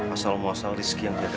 asal masal rizki yang dia dapat